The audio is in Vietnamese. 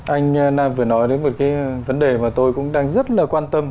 anh nam vừa nói đến một cái vấn đề mà tôi cũng đang rất là quan tâm